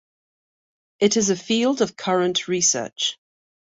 It is a field of current research.